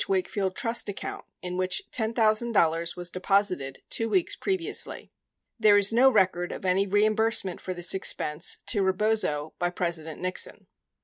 Wakefield trust account in which $10,000 was deposited 2 weeks previ ously. 72 There is no record of any reimbursement for this expense to Rebozo by President Nixon.